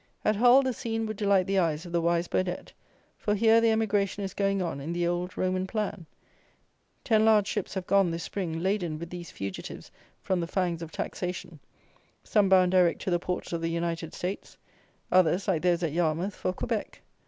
At Hull the scene would delight the eyes of the wise Burdett; for here the emigration is going on in the "Old Roman Plan." Ten large ships have gone this spring, laden with these fugitives from the fangs of taxation; some bound direct to the ports of the United States; others, like those at Yarmouth, for Quebec.